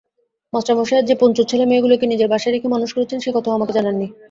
মাস্টারমশায় যে পঞ্চুর ছেলেমেয়েগুলিকে নিজের বাসায় রেখে মানুষ করছেন সে কথাও আমাকে জানান নি।